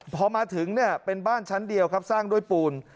พอมาถึงเนี่ยเป็นบ้านชั้นเดียวครับสร้างด้วยปูน